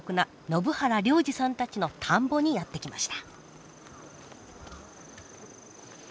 延原良治さんたちの田んぼにやって来ました。